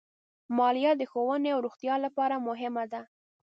مالیه د ښوونې او روغتیا لپاره مهمه ده.